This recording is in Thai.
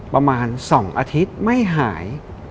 ประมาณ๒อาทิตย์ไม่หาย